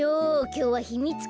きょうはひみつ